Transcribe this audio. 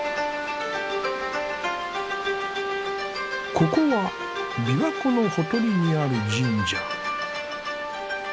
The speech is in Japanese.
ここは琵琶湖のほとりにある神社。